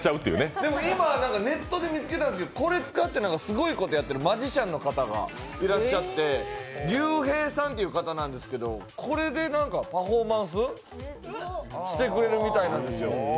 でも、今はネットで見つけたんですけど、これを使ってすごいことをやってらっしゃるマジシャンの方がいらっしゃってＲＹＵＨＥＩさんという方でこれでパフォーマンスしてくれるみたいなんですよ。